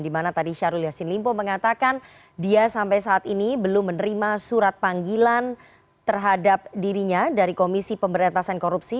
dimana tadi syahrul yassin limpo mengatakan dia sampai saat ini belum menerima surat panggilan terhadap dirinya dari komisi pemberantasan korupsi